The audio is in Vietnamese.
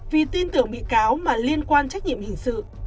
vì tin tưởng bị cáo mà liên quan trách nhiệm hình sự